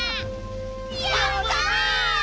やった！